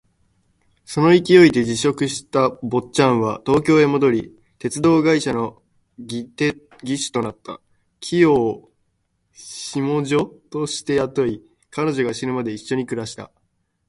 その勢いで辞職した坊っちゃんは東京へ戻り、鉄道会社の技手となった。清を下女として雇い、彼女が死ぬまで一緒に暮らした。